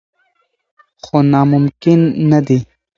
خو ناممکن نه دي.